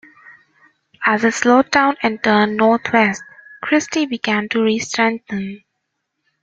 As it slowed down and turned northwest, Kristy began to restrengthen.